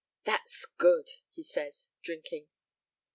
"That's good," he says, drinking.